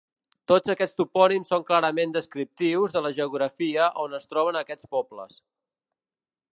Tots aquests topònims són clarament descriptius de la geografia on es troben aquests pobles.